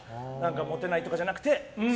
モテないとかじゃなくて。